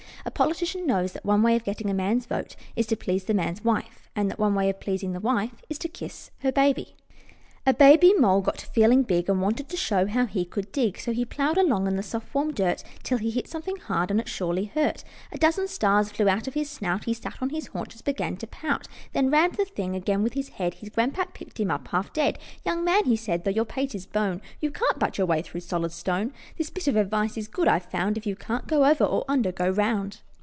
A politician knows that one way of getting a man's vote is to please the man's wife, and that one way of pleasing the wife is to kiss her baby. A baby mole got to feeling big, And wanted to show how he could dig; So he plowed along in the soft, warm dirt Till he hit something hard, and it surely hurt! A dozen stars flew out of his snout; He sat on his haunches, began to pout; Then rammed the thing again with his head His grandpap picked him up half dead. "Young man," he said, "though your pate is bone. You can't butt your way through solid stone. This bit of advice is good, I've found: If you can't go over or under, go round."